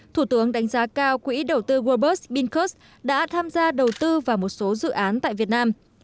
thủ tướng đánh giá cao quỹ đầu tư worldbus binkers đã tham gia đầu tư vào một số dự án tại việt nam